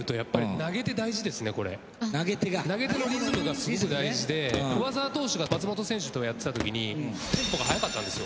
投げ手のリズムがすごく大事で上沢投手が松本選手とやってた時にテンポが速かったんですよ。